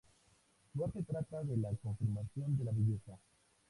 Su arte trata de la confirmación de la belleza.